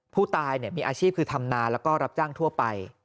ผู้ตายมีอาชีพคือทำนาแล้วก็รับจ้างทั่วไป